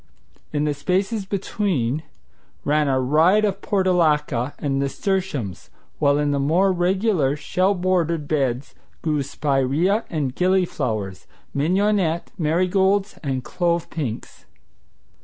In the spaces between ran a riot of portulaca and nasturtiums, while in the more regular, shell bordered beds grew spirea and gillyflowers, mignonette, marigolds, and clove pinks.